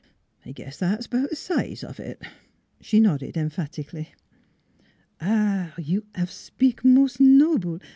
I guess that's about th' size of it." She nodded emphatically. "Ah h! You 'av spik mos' noble!